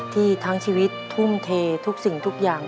ทั้งชีวิตทุ่มเททุกสิ่งทุกอย่าง